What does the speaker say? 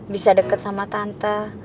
bisa deket sama tante